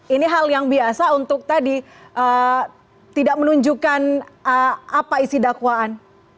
ini hal yang biasa untuk tadi tidak menunjukkan apa isi dakwaan